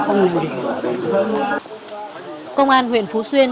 công an huyện phú xuyên công an huyện phú xuyên